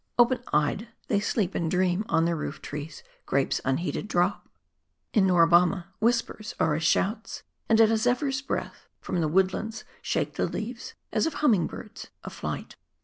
Open eyed, they sleep and dream ; on their roof trees, grapes unheeded drop. In Nora Bamma, whispers are as shouts ; and at a zephyr's breath^ from the woodlands shake the leaves, as of humming birds, a flight.